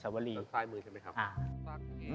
จากล้ายมือใช่มั้ยครับ